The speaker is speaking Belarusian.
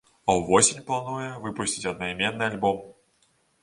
А ўвосень плануе выпусціць аднайменны альбом.